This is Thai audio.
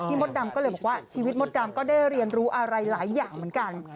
มดดำก็เลยบอกว่าชีวิตมดดำก็ได้เรียนรู้อะไรหลายอย่างเหมือนกัน